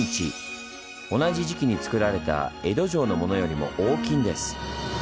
同じ時期につくられた江戸城のものよりも大きいんです。